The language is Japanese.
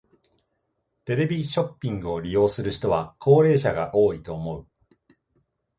テレビショッピングを利用する人は高齢者が多いと思う。